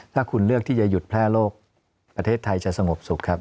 ถ้าคุณเลือกที่จะหยุดแพร่โรคประเทศไทยจะสงบสุขครับ